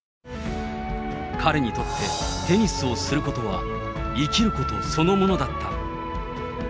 彼にとってテニスをすることは、生きることそのものだった。